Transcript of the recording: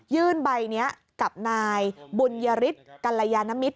ใบนี้กับนายบุญยฤทธิ์กัลยานมิตร